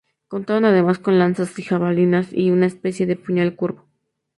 Contaban además con lanzas y jabalinas y una especie de puñal curvo.